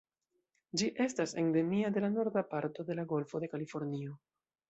Ĝi estas endemia de la norda parto de la Golfo de Kalifornio.